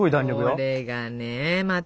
これがねまた。